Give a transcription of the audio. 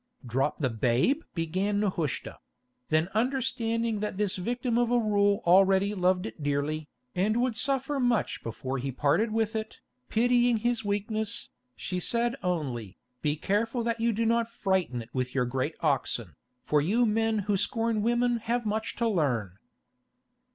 "Drop the babe!" began Nehushta; then understanding that this victim of a rule already loved it dearly, and would suffer much before he parted with it, pitying his weakness, she said only, "Be careful that you do not frighten it with your great oxen, for you men who scorn women have much to learn."